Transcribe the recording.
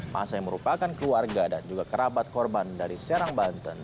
masa yang merupakan keluarga dan juga kerabat korban dari serang banten